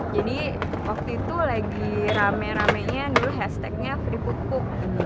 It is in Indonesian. jadi waktu itu lagi rame ramenya dulu hashtagnya free food cook gitu